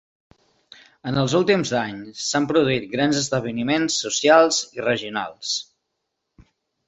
En els últims anys, s'han produït grans esdeveniments socials i regionals.